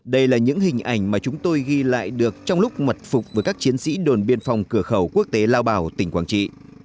đây là những hình ảnh mà chúng tôi ghi lại được trong lúc mật phục với các chiến sĩ đồn biên phòng cửa khẩu quốc tế lao bảo tỉnh quảng trị